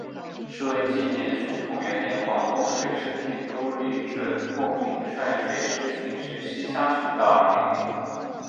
是为纪念宣统元年广东水师提督李准奉命率水师巡视西沙群岛而命名。